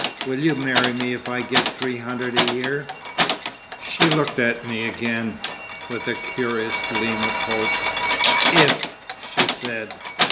"Will you marry me if I get three hundred a year?" She looked at me again, with a curious gleam of hope. "If!" she said.